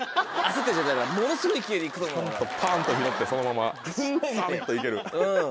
パン！と拾ってそのままサッといける。